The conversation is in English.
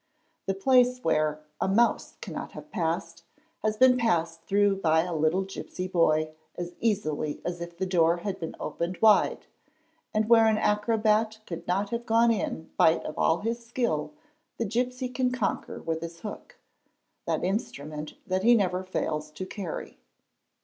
_ The place where a "mouse cannot have passed'' has been passed through _ by a little gipsy boy as easily as if the door had been opened wide, and : where an acrobat could not have gone in spite of all his skill the gipsy can conquer with his hook—that instrument that he never fails to carry.